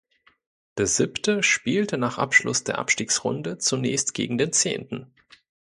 Der Siebte spielte nach Abschluss der Abstiegsrunde zunächst gegen den Zehnten.